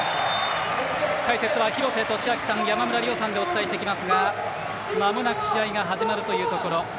解説は廣瀬俊朗さん、山村亮さんでお伝えしていきますが、まもなく試合が始まるというところ。